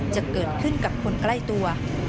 จะเกิดขึ้นกับคนใกล้ตัว